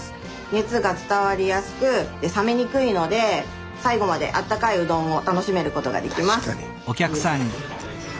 熱が伝わりやすく冷めにくいので最後まであったかいうどんを楽しめることができます。